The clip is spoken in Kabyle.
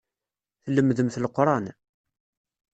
Tlemdemt Leqran.